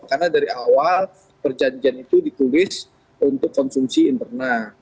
karena dari awal perjanjian itu dikulis untuk konsumsi internal